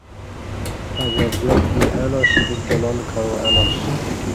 اہ گرجار دی اہ لاش تیو پلال کعو الاش